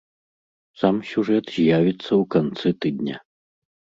Сам сюжэт з'явіцца ў канцы тыдня.